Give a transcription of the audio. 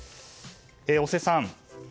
尾瀬さん